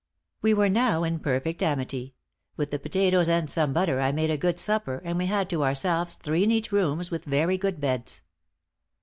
We were now in perfect amity; with the potatoes and some butter I made a good supper, and we had to ourselves three neat rooms, with very good beds."